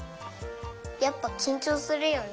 やっぱきんちょうするよね。